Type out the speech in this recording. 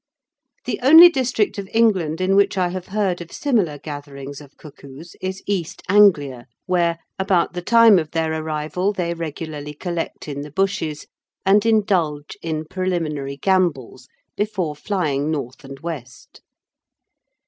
The only district of England in which I have heard of similar gatherings of cuckoos is East Anglia, where, about the time of their arrival, they regularly collect in the bushes and indulge in preliminary gambols before flying north and west.